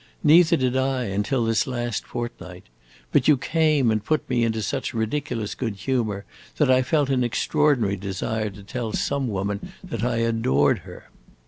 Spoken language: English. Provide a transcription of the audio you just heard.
"Neither did I, until this last fortnight. But you came and put me into such ridiculous good humor that I felt an extraordinary desire to tell some woman that I adored her.